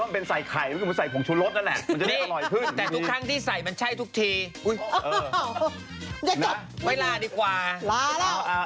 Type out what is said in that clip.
เรื่องทางข่าวซึ่งรายการนี้เป็นข่าวใส่ไข่